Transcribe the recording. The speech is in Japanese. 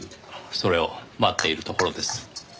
それを待っているところです。